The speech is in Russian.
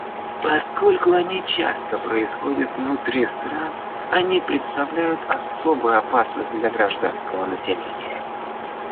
Поскольку они часто происходят внутри стран, они представляют особую опасность для гражданского населения.